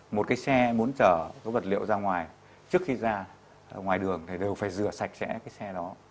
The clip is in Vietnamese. một cái xe muốn chở cái vật liệu ra ngoài trước khi ra ngoài đường thì đều phải rửa sạch sẽ cái xe đó